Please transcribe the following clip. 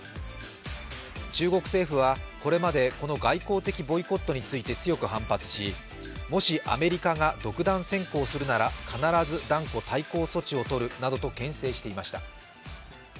中国政府はこれまでこの外交的ボイコットについて強く反発しもしアメリカが独断専行するなら必ず断固対抗措置をとるなどとけん制していました。